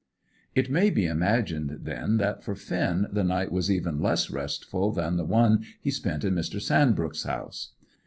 It may be imagined, then, that for Finn the night was even less restful than the one he spent in Mr. Sandbrook's house.